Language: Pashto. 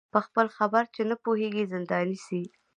په خپل خیر چي نه پوهیږي زنداني سي